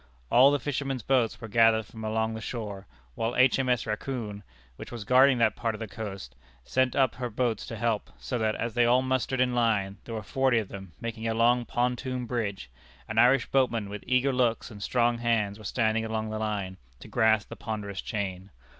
All the fishermen's boats were gathered from along the shore, while H. M. S. Raccoon, which was guarding that part of the coast, sent up her boats to help, so that, as they all mustered in line, there were forty of them, making a long pontoon bridge; and Irish boatmen with eager looks and strong hands were standing along the line, to grasp the ponderous chain.